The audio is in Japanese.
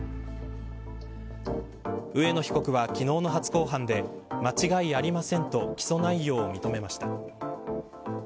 上野被告は、昨日の初公判で間違いありませんと起訴内容を認めました。